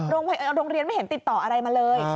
โรงเรียนไม่เห็นติดต่ออะไรมาเลย